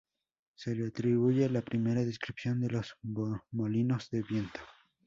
Se le atribuye la primera descripción de los molinos de viento.